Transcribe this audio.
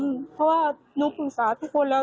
เพราะว่าหนูปรึกษาทุกคนแล้ว